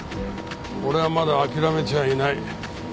俺はまだ諦めちゃいない。